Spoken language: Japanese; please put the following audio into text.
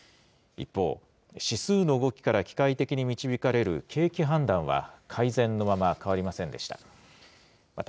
一方、指数の動きから機械的に導かれる景気判断は改善のまま、変わりませんでした。